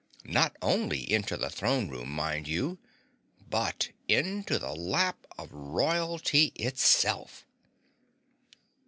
Not only into the throne room, mind you, but into the lap of royalty itself!